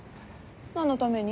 何のために？